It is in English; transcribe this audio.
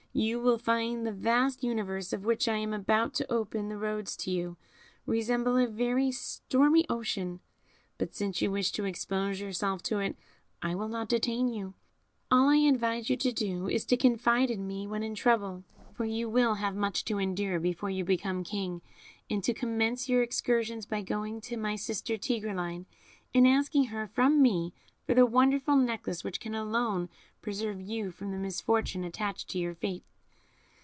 You will find the vast universe, of which I am about to open the roads to you, resemble a very stormy ocean, but since you wish to expose yourself to it, I will not detain you; all I advise you to do is to confide in me when in trouble (for you will have much to endure before you become King), and to commence your excursions by going to my sister Tigreline, and asking her, from me, for the wonderful necklace which can alone preserve you from the misfortunes attached to your fate.